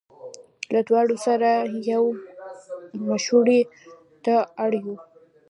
له دواړو سره یې مشوړې ته اړ یو.